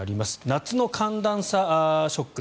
夏の寒暖差ショック。